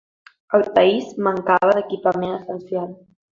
El país mancava d’equipament essencial.